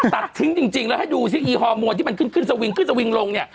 ตัดทิ้งจริงแล้วให้ดูซิอีฮอร์โมนที่มันขึ้นสวิงลงนี่